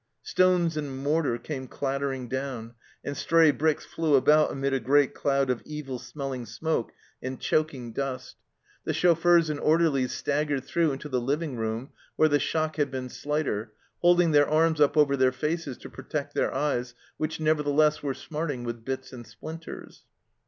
Stones and mortar came clattering down, and stray bricks flew about amid a great cloud of evil smelling smoke and choking dust. The SHELLED OUT 217 chauffeurs and orderlies staggered through into the living room, where the shock had been slighter, holding their arms up over their faces to protect their eyes, which nevertheless were smarting with bits and splinters.